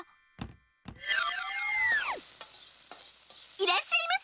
いらっしゃいませ！